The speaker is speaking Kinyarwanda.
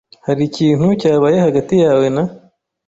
Hari ikintu cyabaye hagati yawe na ?